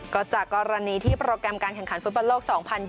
ก็จากกรณีที่โปรแกรมการแข่งขันฟุตบอลโลก๒๐๒๐